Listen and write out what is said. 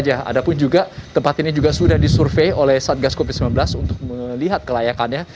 ada pun juga tempat ini juga sudah disurvey oleh satgas covid sembilan belas untuk melihat kelayakannya